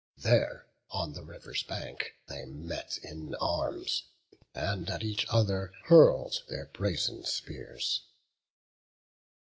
There on the river's bank they met in arms, And each at other hurl'd their brazen spears.